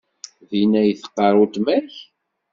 Din ay teqqar weltma-k?